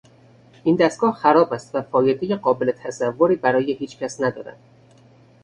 این دستگاه خراب است و فایدهی قابل تصوری برای هیچ کس ندارد.